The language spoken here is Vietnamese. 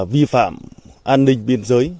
vi phạm an ninh biên giới